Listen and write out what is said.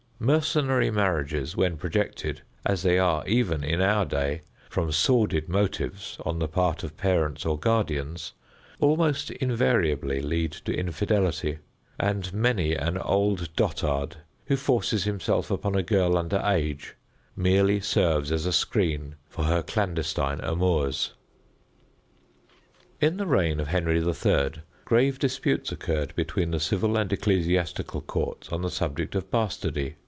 Mercenary marriages, when projected, as they are even in our day, from sordid motives on the part of parents or guardians, almost invariably lead to infidelity, and many an old dotard, who forces himself upon a girl under age, merely serves as a screen for her clandestine amours. In the reign of Henry III., grave disputes occurred between the civil and ecclesiastical courts on the subject of bastardy.